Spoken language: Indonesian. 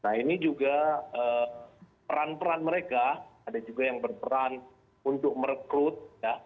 nah ini juga peran peran mereka ada juga yang berperan untuk merekrut ya